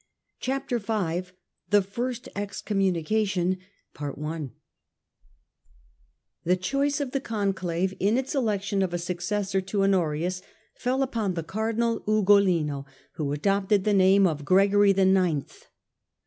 Chapter V THE FIRST EXCOMMUNICATION f ""^HE choice of the Conclave, in its election of a successor to Honorius, fell upon the Cardinal M Ugolino, who adopted the name of Gregory the Ninth.